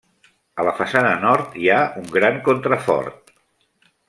A la façana nord hi ha un gran contrafort.